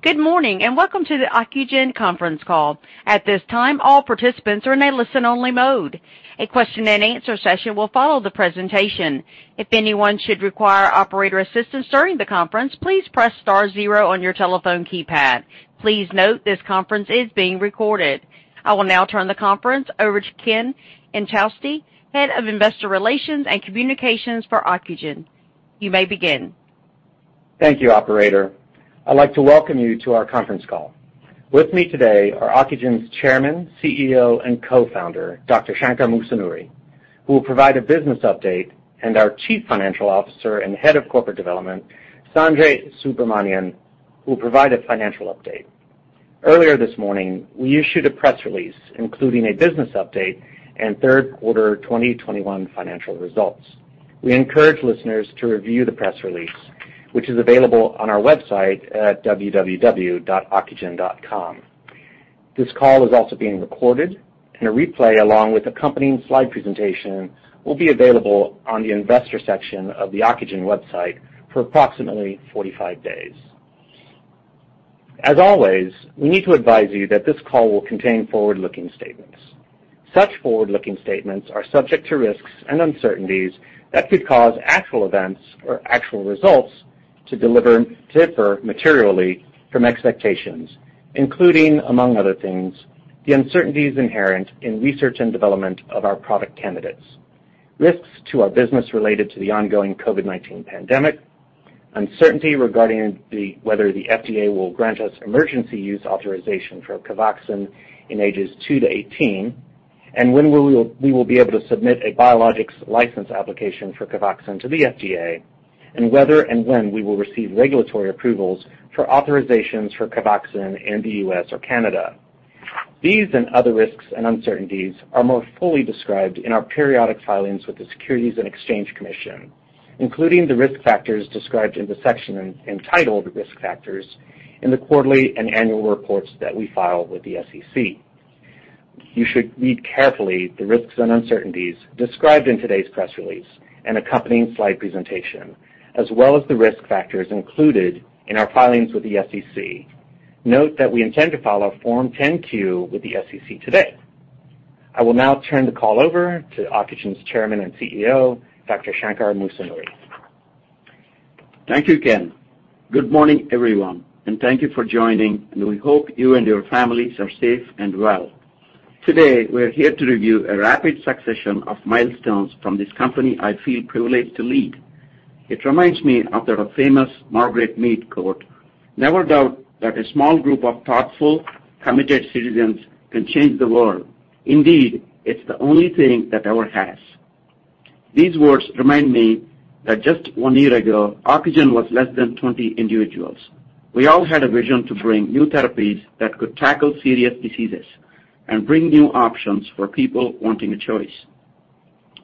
Good morning, and welcome to the Ocugen conference call. At this time, all participants are in a listen-only mode. A question and answer session will follow the presentation. If anyone should require operator assistance during the conference, please press star zero on your telephone keypad. Please note this conference is being recorded. I will now turn the conference over to Ken Inchausti, Head of Investor Relations and Communications for Ocugen. You may begin. Thank you, operator. I'd like to welcome you to our conference call. With me today are Ocugen's Chairman, CEO, and Co-founder, Dr. Shankar Musunuri, who will provide a business update, and our Chief Financial Officer and Head of Corporate Development, Sanjay Subramanian, who will provide a financial update. Earlier this morning, we issued a press release, including a business update and third-quarter 2021 financial results. We encourage listeners to review the press release, which is available on our website at www.ocugen.com. This call is also being recorded, and a replay, along with accompanying slide presentation, will be available on the investor section of the Ocugen website for approximately 45 days. As always, we need to advise you that this call will contain forward-looking statements. Such forward-looking statements are subject to risks and uncertainties that could cause actual events or actual results to differ materially from expectations, including, among other things, the uncertainties inherent in research and development of our product candidates, risks to our business related to the ongoing COVID-19 pandemic, uncertainty regarding whether the FDA will grant us emergency use authorization for COVAXIN in ages 2-18, and when we will be able to submit a biologics license application for COVAXIN to the FDA, and whether and when we will receive regulatory approvals for authorizations for COVAXIN in the U.S. or Canada. These and other risks and uncertainties are more fully described in our periodic filings with the Securities and Exchange Commission, including the risk factors described in the section entitled Risk Factors in the quarterly and annual reports that we file with the SEC. You should read carefully the risks and uncertainties described in today's press release and accompanying slide presentation, as well as the risk factors included in our filings with the SEC. Note that we intend to file a Form 10-Q with the SEC today. I will now turn the call over to Ocugen's Chairman and CEO, Dr. Shankar Musunuri. Thank you, Ken. Good morning, everyone, and thank you for joining, and we hope you and your families are safe and well. Today, we're here to review a rapid succession of milestones from this company I feel privileged to lead. It reminds me of the famous Margaret Mead quote, "Never doubt that a small group of thoughtful, committed citizens can change the world. Indeed, it's the only thing that ever has." These words remind me that just one year ago, Ocugen was less than 20 individuals. We all had a vision to bring new therapies that could tackle serious diseases and bring new options for people wanting a choice.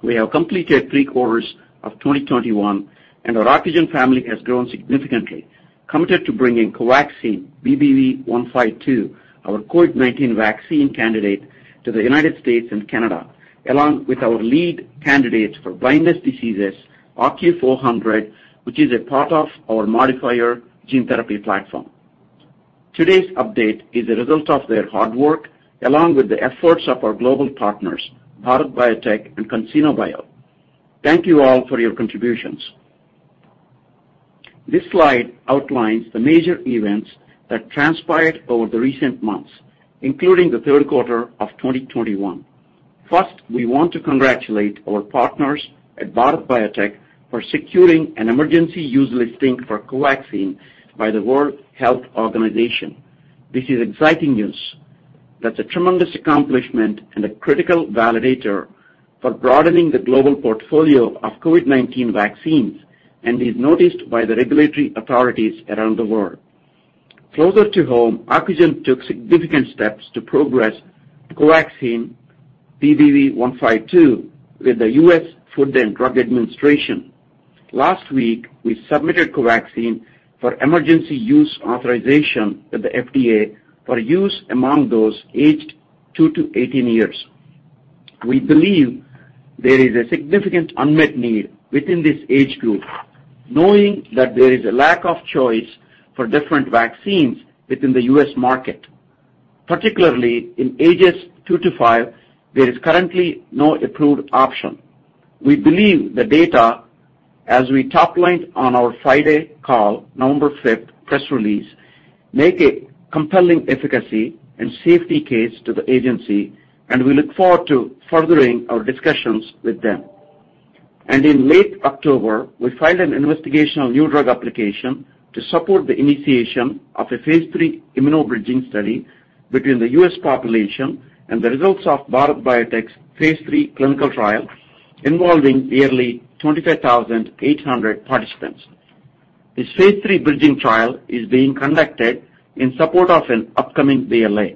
We have completed three quarters of 2021, and our Ocugen family has grown significantly, committed to bringing COVAXIN BBV152, our COVID-19 vaccine candidate, to the United States and Canada, along with our lead candidate for blindness diseases, OCU400, which is a part of our modifier gene therapy platform. Today's update is a result of their hard work, along with the efforts of our global partners, Bharat Biotech and CanSinoBio. Thank you all for your contributions. This slide outlines the major events that transpired over the recent months, including the third quarter of 2021. First, we want to congratulate our partners at Bharat Biotech for securing an emergency use listing for COVAXIN by the World Health Organization. This is exciting news. That's a tremendous accomplishment and a critical validator for broadening the global portfolio of COVID-19 vaccines and is noticed by the regulatory authorities around the world. Closer to home, Ocugen took significant steps to progress COVAXIN BBV152 with the U.S. Food and Drug Administration. Last week, we submitted COVAXIN for emergency use authorization with the FDA for use among those aged 2 to 18 years. We believe there is a significant unmet need within this age group, knowing that there is a lack of choice for different vaccines within the U.S. market. Particularly in ages 2 to 5, there is currently no approved option. We believe the data, as we top-lined on our Friday call, November fifth, press release, make a compelling efficacy and safety case to the agency, and we look forward to furthering our discussions with them. In late October, we filed an investigational new drug application to support the initiation of a phase III immunobridging study between the U.S. population and the results of Bharat Biotech's phase III clinical trial involving nearly 25,800 participants. This phase III bridging trial is being conducted in support of an upcoming BLA.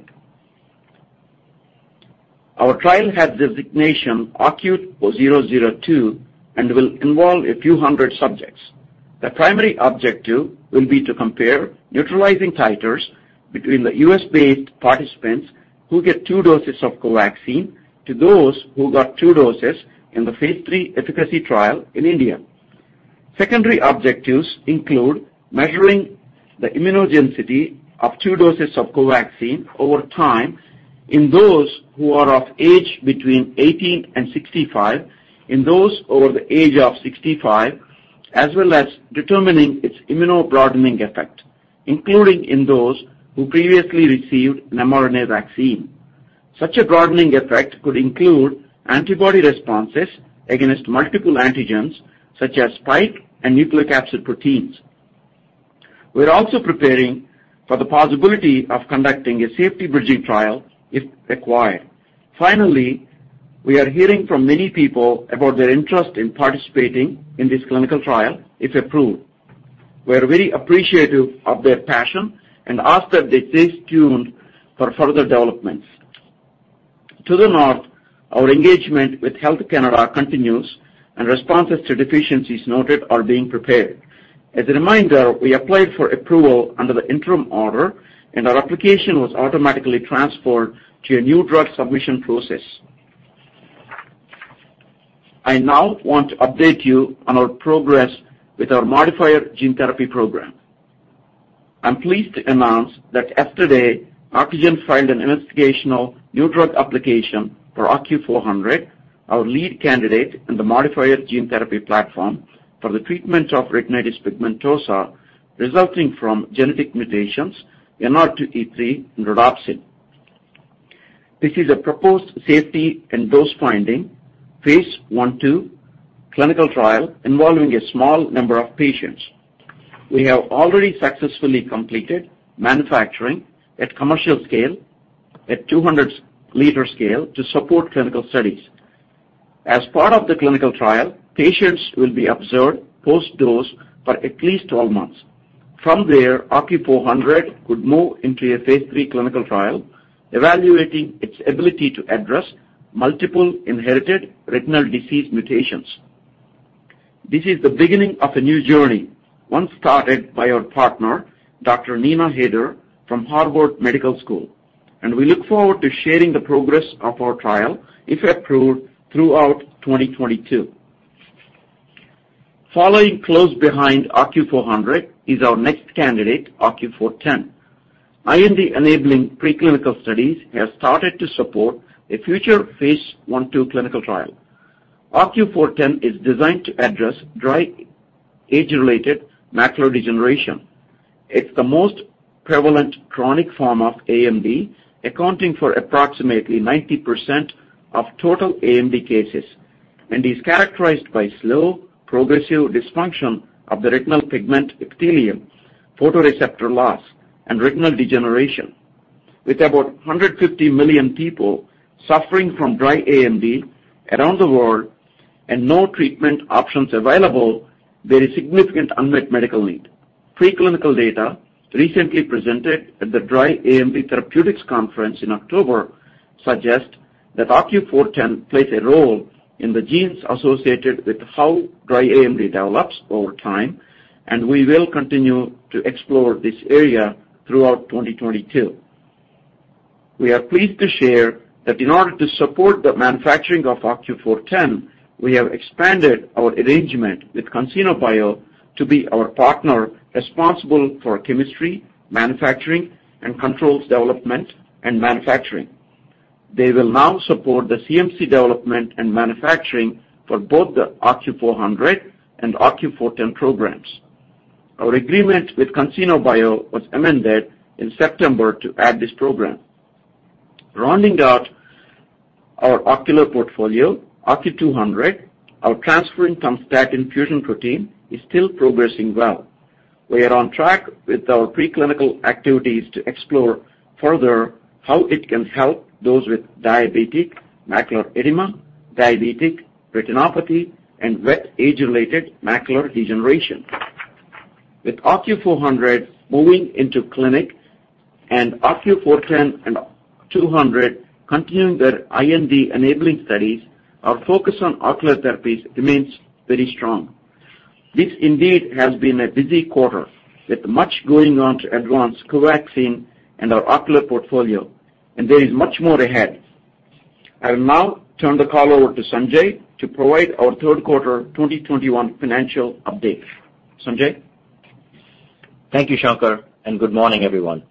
Our trial has designation OCU-002 and will involve a few hundred subjects. The primary objective will be to compare neutralizing titers between the U.S.-based participants who get two doses of COVAXIN to those who got two doses in the phase III efficacy trial in India. Secondary objectives include measuring the immunogenicity of two doses of COVAXIN over time in those who are of age between 18 and 65, in those over the age of 65, as well as determining its immuno-broadening effect, including in those who previously received an mRNA vaccine. Such a broadening effect could include antibody responses against multiple antigens, such as spike and nucleocapsid proteins. We're also preparing for the possibility of conducting a safety bridging trial if required. Finally, we are hearing from many people about their interest in participating in this clinical trial if approved. We are very appreciative of their passion and ask that they stay tuned for further developments. To the north, our engagement with Health Canada continues, and responses to deficiencies noted are being prepared. As a reminder, we applied for approval under the interim order, and our application was automatically transferred to a new drug submission process. I now want to update you on our progress with our modifier gene therapy program. I'm pleased to announce that yesterday, Ocugen filed an investigational new drug application for OCU400, our lead candidate in the modifier gene therapy platform for the treatment of retinitis pigmentosa resulting from genetic mutations in NR2E3 and rhodopsin. This is a proposed safety and dose-finding phase I/II clinical trial involving a small number of patients. We have already successfully completed manufacturing at commercial scale, at 200-liter scale to support clinical studies. As part of the clinical trial, patients will be observed post-dose for at least 12 months. From there, OCU400 could move into a phase III clinical trial, evaluating its ability to address multiple inherited retinal disease mutations. This is the beginning of a new journey, one started by our partner, Dr. Neena Haider from Harvard Medical School, and we look forward to sharing the progress of our trial, if approved, throughout 2022. Following close behind OCU400 is our next candidate, OCU410. IND-enabling preclinical studies have started to support a future phase I/II clinical trial. OCU410 is designed to address dry age-related macular degeneration. It's the most prevalent chronic form of AMD, accounting for approximately 90% of total AMD cases, and is characterized by slow progressive dysfunction of the retinal pigment epithelium, photoreceptor loss, and retinal degeneration. With about 150 million people suffering from dry AMD around the world and no treatment options available, there is significant unmet medical need. Preclinical data recently presented at the Dry AMD Therapeutic Development Summit in October suggest that OCU410 plays a role in the genes associated with how dry AMD develops over time, and we will continue to explore this area throughout 2022. We are pleased to share that in order to support the manufacturing of OCU410, we have expanded our arrangement with CanSinoBio to be our partner responsible for chemistry, manufacturing, and controls development and manufacturing. They will now support the CMC development and manufacturing for both the OCU400 and OCU410 programs. Our agreement with CanSinoBio was amended in September to add this program. Rounding out our ocular portfolio, OCU200, our transferrin-tumstatin fusion protein, is still progressing well. We are on track with our preclinical activities to explore further how it can help those with diabetic macular edema, diabetic retinopathy, and wet age-related macular degeneration. With OCU400 moving into clinic and OCU410 and OCU200 continuing their IND-enabling studies, our focus on ocular therapies remains very strong. This indeed has been a busy quarter, with much going on to advance COVAXIN and our ocular portfolio, and there is much more ahead. I will now turn the call over to Sanjay to provide our third quarter 2021 financial update. Sanjay? Thank you, Shankar, and good morning, everyone.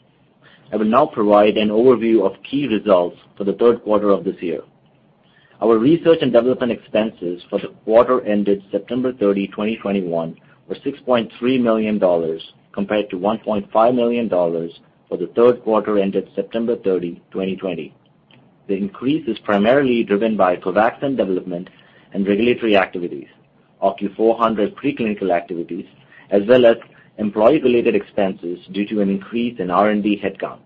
I will now provide an overview of key results for the third quarter of this year. Our research and development expenses for the quarter ended September 30, 2021, were $6.3 million, compared to $1.5 million for the third quarter ended September 30, 2020. The increase is primarily driven by COVAXIN development and regulatory activities, OCU400 preclinical activities, as well as employee-related expenses due to an increase in R&D headcount.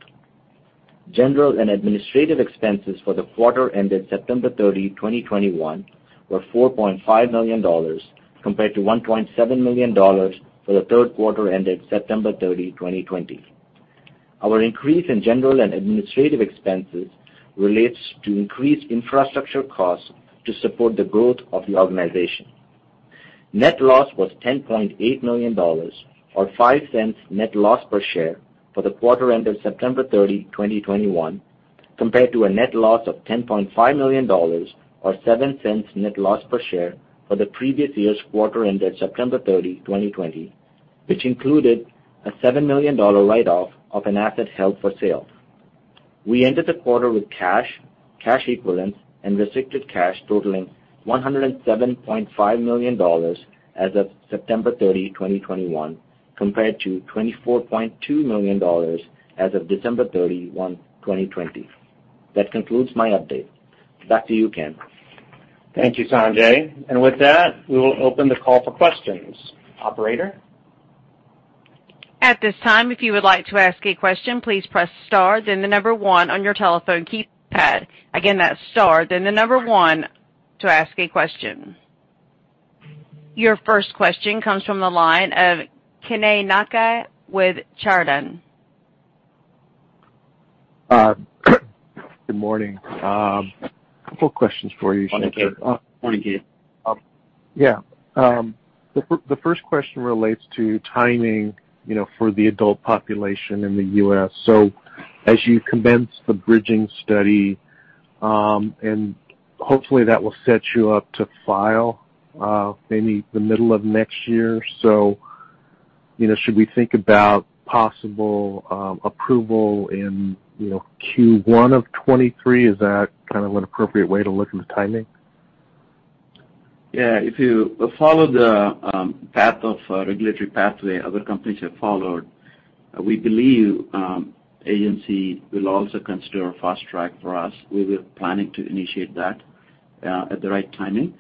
General and administrative expenses for the quarter ended September 30, 2021, were $4.5 million, compared to $1.7 million for the third quarter ended September 30, 2020. Our increase in general and administrative expenses relates to increased infrastructure costs to support the growth of the organization. Net loss was $10.8 million or $0.05 net loss per share for the quarter ended September 30, 2021, compared to a net loss of $10.5 million or $0.07 net loss per share for the previous year's quarter ended September 30, 2020, which included a $7 million write-off of an asset held for sale. We ended the quarter with cash equivalents and restricted cash totaling $107.5 million as of September 30, 2021, compared to $24.2 million as of December 31, 2020. That concludes my update. Back to you, Ken. Thank you, Sanjay. With that, we will open the call for questions. Operator? Your first question comes from the line of Kenay Naka with Chardan. Good morning. A couple of questions for you. Morning, Ken. Morning, Ken. Yeah, the first question relates to timing, you know, for the adult population in the U.S. As you commence the bridging study, and hopefully that will set you up to file, maybe the middle of next year. You know, should we think about possible approval in Q1 of 2023? Is that kind of an appropriate way to look at the timing? Yeah. If you follow the path of regulatory pathway other companies have followed, we believe agency will also consider a fast track for us. We were planning to initiate that at the right timing.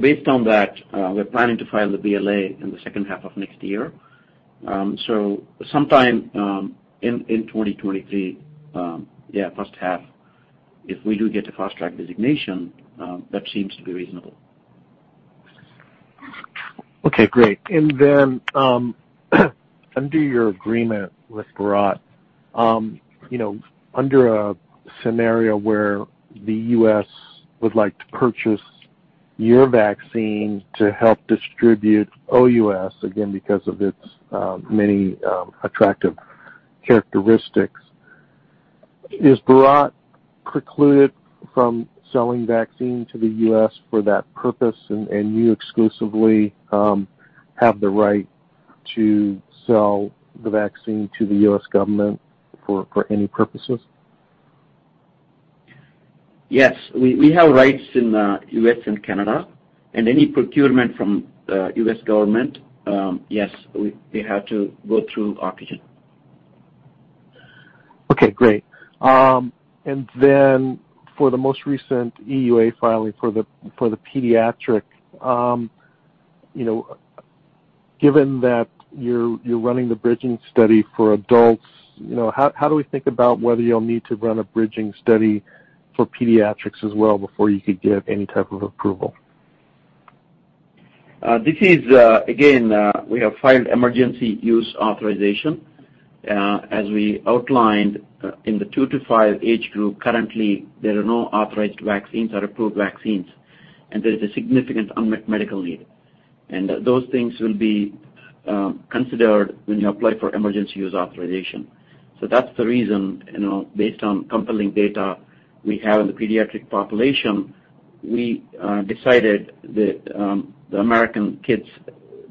Based on that, we're planning to file the BLA in the second half of next year. Sometime in 2023 first half, if we do get a fast track designation, that seems to be reasonable. Okay, great. Under your agreement with Bharat, you know, under a scenario where the U.S. would like to purchase your vaccine to help distribute OUS again because of its many attractive characteristics. Is Bharat precluded from selling vaccine to the U.S. for that purpose, and you exclusively have the right to sell the vaccine to the U.S. government for any purposes? Yes. We have rights in U.S. and Canada. Any procurement from the U.S. government, yes, we have to go through Ocugen. Okay, great. Then for the most recent EUA filing for the pediatric, you know, given that you're running the bridging study for adults, you know, how do we think about whether you'll need to run a bridging study for pediatrics as well before you could get any type of approval? This is again we have filed emergency use authorization. As we outlined in the two-five age group, currently there are no authorized vaccines or approved vaccines, and there is a significant unmet medical need. Those things will be considered when you apply for emergency use authorization. That's the reason, you know, based on compelling data we have in the pediatric population, we decided that the American kids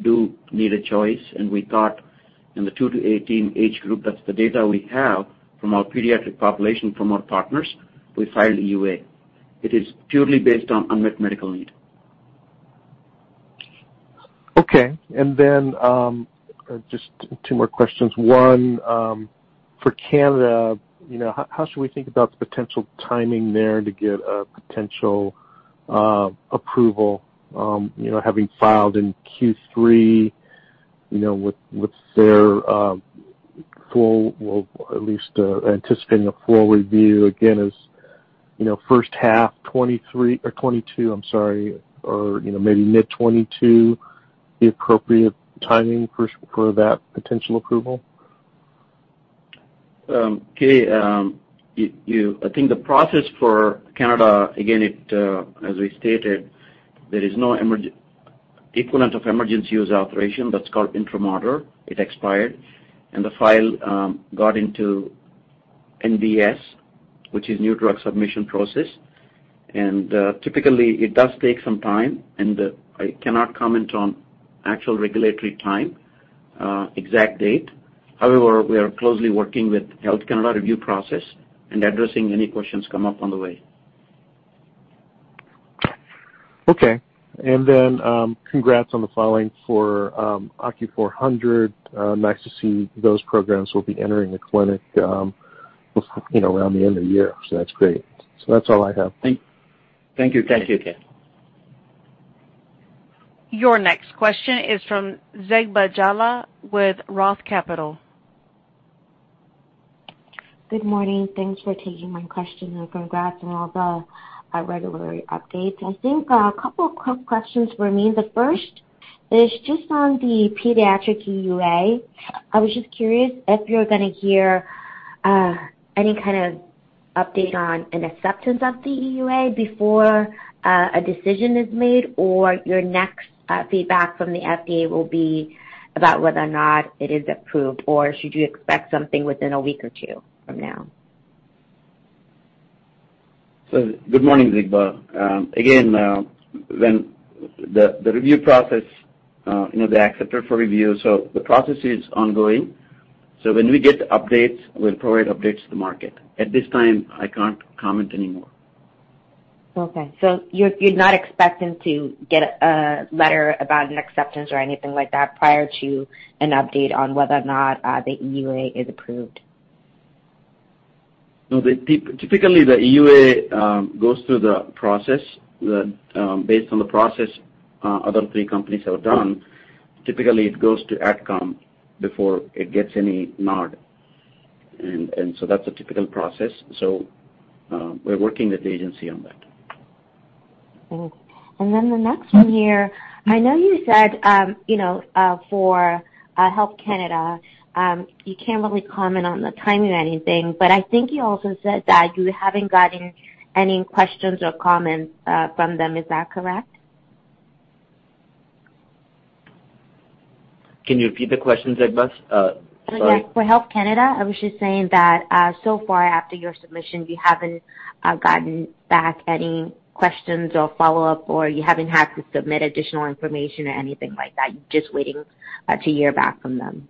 do need a choice. We thought in the two to 18 age group, that's the data we have from our pediatric population, from our partners, we filed EUA. It is purely based on unmet medical need. Okay. Just two more questions. One, for Canada, you know, how should we think about the potential timing there to get a potential approval, you know, having filed in Q3, you know, with their full or at least anticipating a full review again, as you know, first half 2023 or 2022, I'm sorry, or you know, maybe mid-2022, the appropriate timing for that potential approval? I think the process for Canada, again, as we stated, there is no equivalent of emergency use authorization that's called interim order. It expired. The file got into NDS, which is New Drug Submission process. Typically it does take some time, and I cannot comment on actual regulatory time, exact date. However, we are closely working with Health Canada review process and addressing any questions come up on the way. Okay. Congrats on the filing for OCU400. Nice to see those programs will be entering the clinic, you know, around the end of the year. That's great. That's all I have. Thank you. Thank you, Ken. Your next question is from Zegbeh Jallah with Roth Capital. Good morning. Thanks for taking my question and congrats on all the regulatory updates. I think a couple of quick questions for me. The first is just on the pediatric EUA. I was just curious if you're gonna hear any kind of- Update on an acceptance of the EUA before a decision is made, or your next feedback from the FDA will be about whether or not it is approved, or should you expect something within a week or two from now? Good morning, Zegbeh. Again, when the review process, you know, they accept it for review, so the process is ongoing. When we get updates, we'll provide updates to the market. At this time, I can't comment anymore. Okay, you're not expecting to get a letter about an acceptance or anything like that prior to an update on whether or not the EUA is approved. No. Typically, the EUA goes through the process based on the process other three companies have done. Typically, it goes to AdCom before it gets any nod. That's a typical process. We're working with the agency on that. The next one here, I know you said, you know, for Health Canada, you can't really comment on the timing or anything, but I think you also said that you haven't gotten any questions or comments from them. Is that correct? Can you repeat the question, Zegbeh? Sorry. Yeah. For Health Canada, I was just saying that, so far after your submission, you haven't gotten back any questions or follow-up, or you haven't had to submit additional information or anything like that. You're just waiting to hear back from them.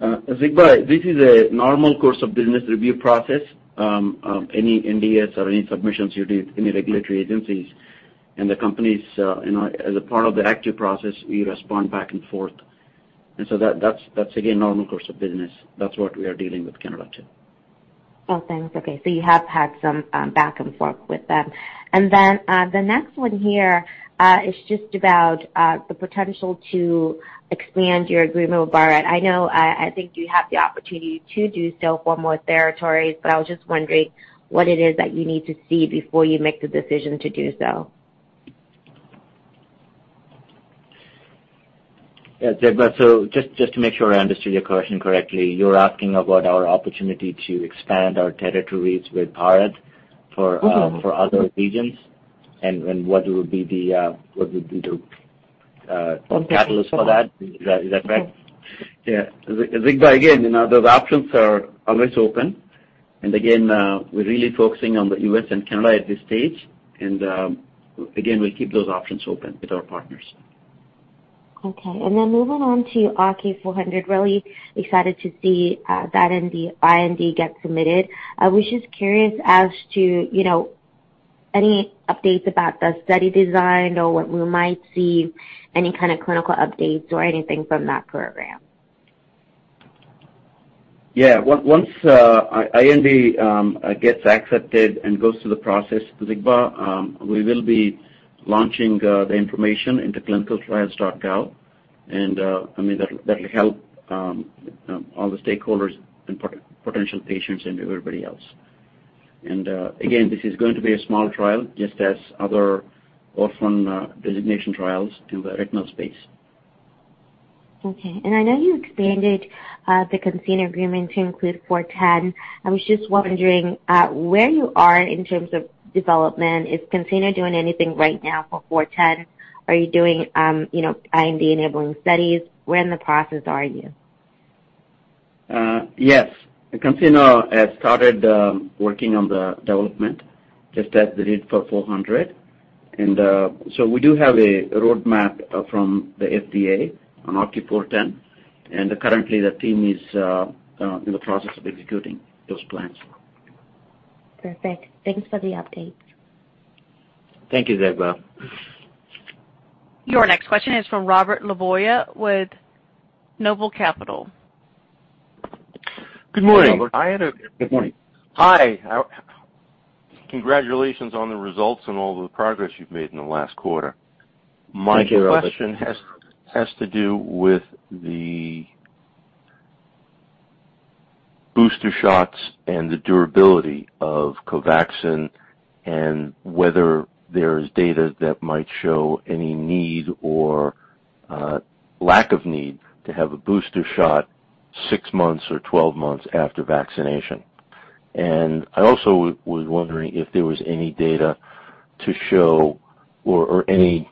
Zegbeh, this is a normal course of business review process of any NDAs or any submissions you do to any regulatory agencies. The companies, you know, as a part of the active process, we respond back and forth. That's again normal course of business. That's what we are dealing with Canada too. Oh, thanks. Okay. You have had some back and forth with them. The next one here is just about the potential to expand your agreement with Bharat. I know I think you have the opportunity to do so for more territories, but I was just wondering what it is that you need to see before you make the decision to do so. Zegbeh, just to make sure I understood your question correctly, you're asking about our opportunity to expand our territories with Bharat for, Mm-hmm. for other regions and what would be the Potential Catalyst for that? Is that right? Yeah. Zegbeh, again, you know, those options are always open. Again, we're really focusing on the U.S. and Canada at this stage. Again, we'll keep those options open with our partners. Okay. Moving on to OCU400, really excited to see that IND get submitted. I was just curious as to, you know, any updates about the study design or what we might see, any kind of clinical updates or anything from that program? Yeah. Once IND gets accepted and goes through the process, Zegbeh, we will be launching the information into clinicaltrials.gov, and I mean, that'll help all the stakeholders and potential patients and everybody else. Again, this is going to be a small trial, just as other orphan designation trials to the retinal space. Okay. I know you expanded the CanSino agreement to include OCU400. I was just wondering where you are in terms of development. Is CanSino doing anything right now for OCU400? Are you doing, you know, IND-enabling studies? Where in the process are you? Yes. CanSino has started working on the development just as they did for OCU400. We do have a roadmap from the FDA on OCU410. Currently, the team is in the process of executing those plans. Perfect. Thanks for the updates. Thank you, Zegbeh Jallah. Your next question is from Robert LeBoyer with Noble Capital. Good morning, Robert. Hi. Good morning. Hi. Congratulations on the results and all the progress you've made in the last quarter. Thank you, Robert. My question has to do with the booster shots and the durability of COVAXIN and whether there's data that might show any need or lack of need to have a booster shot 6 months or 12 months after vaccination. I also was wondering if there was any data to show or any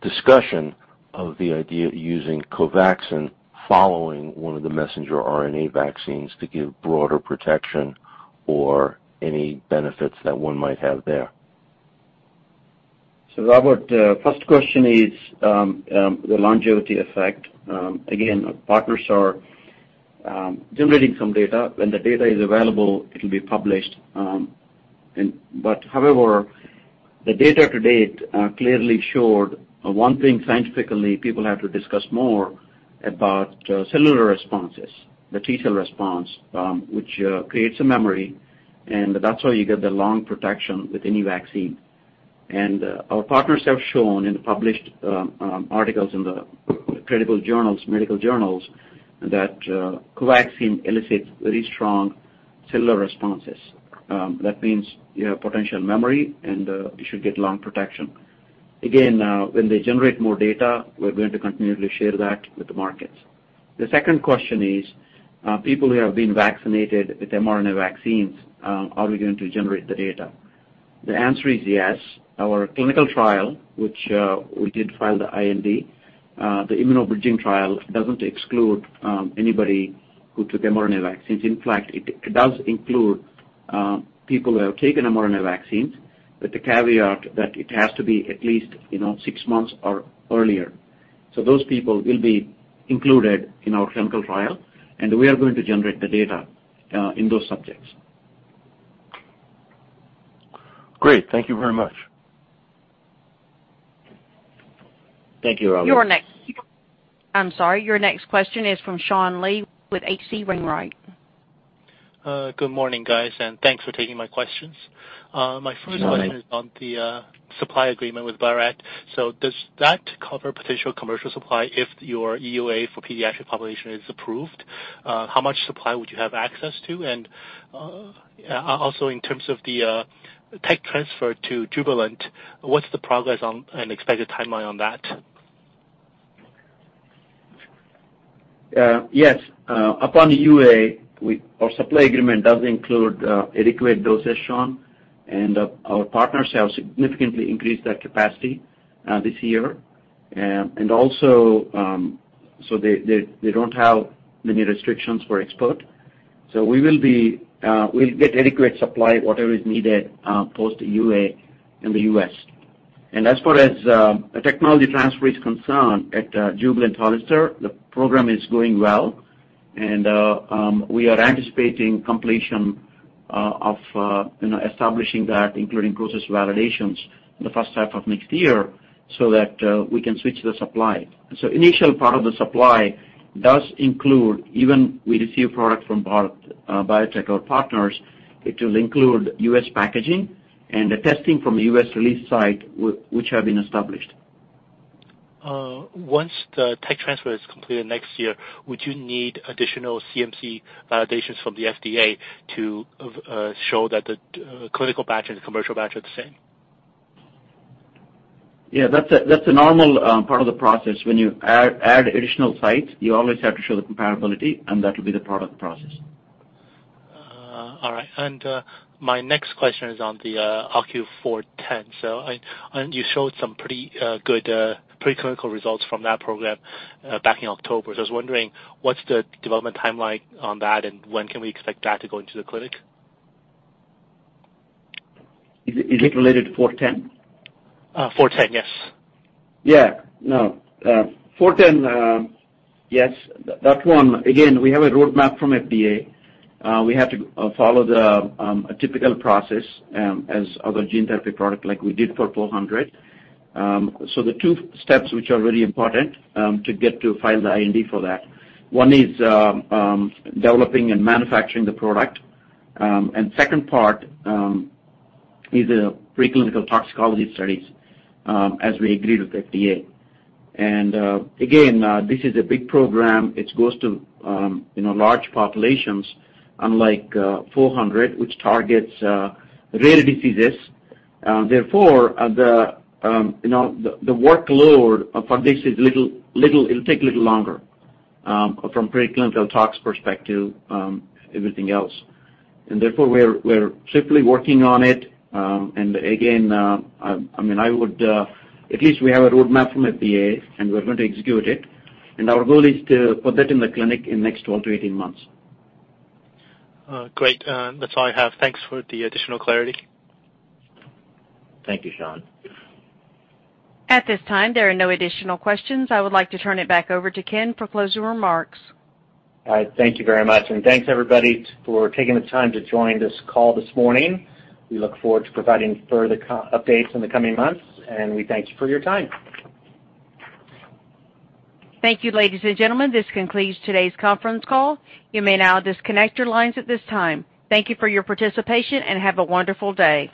discussion of the idea using COVAXIN following one of the messenger RNA vaccines to give broader protection or any benefits that one might have there. Robert, first question is the longevity effect. Again, our partners are generating some data. When the data is available, it will be published. However, the data to date clearly showed one thing scientifically people have to discuss more about, cellular responses, the T-cell response, which creates a memory, and that's how you get the long protection with any vaccine. Our partners have shown in the published articles in the credible journals, medical journals that COVAXIN elicits very strong cellular responses. That means you have potential memory and you should get long protection. Again, when they generate more data, we're going to continually share that with the markets. The second question is, people who have been vaccinated with mRNA vaccines, are we going to generate the data? The answer is yes. Our clinical trial, which we did file the IND, the immunobridging trial doesn't exclude anybody who took mRNA vaccines. In fact, it does include people who have taken mRNA vaccines with the caveat that it has to be at least, you know, six months or earlier. Those people will be included in our clinical trial, and we are going to generate the data in those subjects. Great. Thank you very much. Thank you, Robert. Your next question is from Sean Lee with H.C. Wainwright. Good morning, guys, and thanks for taking my questions. My first question. Good morning. This is on the supply agreement with Biovet. Does that cover potential commercial supply if your EUA for pediatric population is approved? How much supply would you have access to? Also in terms of the tech transfer to Jubilant, what's the progress on and expected timeline on that? Yes. Upon the EUA, our supply agreement does include adequate doses, Sean, and our partners have significantly increased their capacity this year. They don't have many restrictions for export. We'll get adequate supply, whatever is needed, post EUA in the U.S. As far as technology transfer is concerned at Jubilant HollisterStier, the program is going well and we are anticipating completion of you know, establishing that, including process validations in the first half of next year so that we can switch the supply. Initial part of the supply does include even we receive product from Bharat Biotech or partners, it will include U.S. packaging and the testing from the U.S. release site which have been established. Once the tech transfer is completed next year, would you need additional CMC validations from the FDA to show that the clinical batch and the commercial batch are the same? Yeah, that's a normal part of the process. When you add additional sites, you always have to show the comparability, and that will be the part of the process. All right. My next question is on the OCU410. You showed some pretty good preclinical results from that program back in October. I was wondering what's the development timeline on that, and when can we expect that to go into the clinic? Is it related to 410? 410, yes. Yeah. No. OCU410, yes, that one, again, we have a roadmap from FDA. We have to follow a typical process as other gene therapy product like we did for OCU400. The two steps which are really important to file the IND for that, one is developing and manufacturing the product. Second part is preclinical toxicology studies as we agreed with the FDA. Again, this is a big program. It goes to you know large populations unlike OCU400, which targets rare diseases. Therefore, the workload for this is little. It'll take a little longer from preclinical tox perspective, everything else. Therefore, we're simply working on it. At least we have a roadmap from FDA, and we're going to execute it. Our goal is to put that in the clinic in the next 12-18 months. Great. That's all I have. Thanks for the additional clarity. Thank you, Sean. At this time, there are no additional questions. I would like to turn it back over to Ken for closing remarks. All right. Thank you very much, and thanks everybody for taking the time to join this call this morning. We look forward to providing further updates in the coming months, and we thank you for your time. Thank you, ladies and gentlemen. This concludes today's conference call. You may now disconnect your lines at this time. Thank you for your participation, and have a wonderful day.